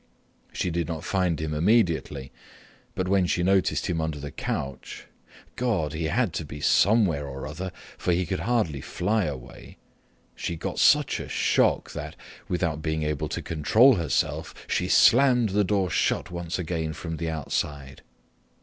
She did not find him immediately, but when she noticed him under the couch—God, he had to be somewhere or other, for he could hardly fly away—she got such a shock that, without being able to control herself, she slammed the door shut once again from the outside.